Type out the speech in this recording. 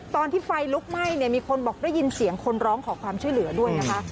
ตอนที่ไฟลุกไหม้เนี่ยมีคนบอกได้ยินเสียงคนร้องขอความช่วยเหลือด้วยนะคะ